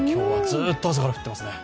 ずっと朝から降っていますね。